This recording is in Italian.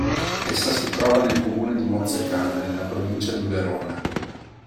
Essa si trova nel comune di Mozzecane, nella provincia di Verona.